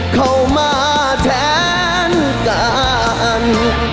เข้ามาแทนการ